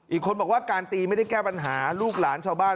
อีกคนบอกว่าการตีไม่ได้แก้ปัญหาลูกหลานชาวบ้าน